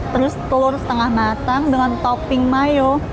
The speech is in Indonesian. terus telur setengah matang dengan topping mayo